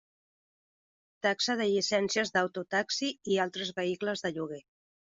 Taxa de llicències d'auto taxi i altres vehicles de lloguer.